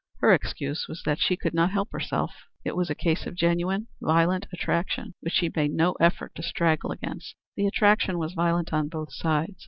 Her excuse was that she could not help herself. It was a case of genuine, violent attraction, which she made no effort to straggle against. The attraction was violent on both sides.